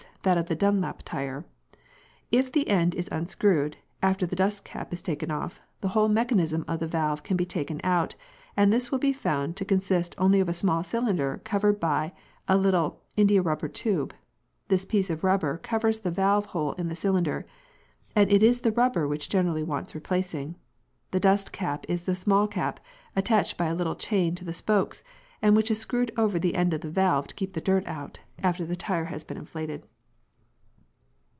that of the Dunlop tyre, if the end is unscrewed—after the dust cap is taken off—the whole mechanism of the valve can be taken out, and this will be found to consist only of a small cylinder covered by a little indiarubber tube. This piece of rubber covers the valve hole in the cylinder, and it is the rubber which generally wants replacing. The dust cap is the small cap, attached by a little chain to the spokes, and which is screwed over the end of the valve to keep the dirt out, after the tyre has been inflated.